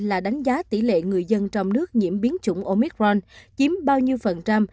là đánh giá tỷ lệ người dân trong nước nhiễm biến chủng omicron chiếm bao nhiêu phần trăm